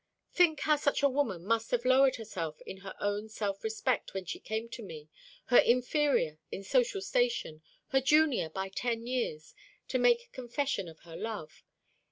"Think how such a woman must have lowered herself in her own self respect when she came to me, her inferior in social station, her junior by ten years, to make confession of her love.